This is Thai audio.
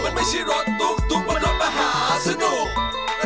มันไม่ใช่รถตุ๊กบนรถมหาสนุก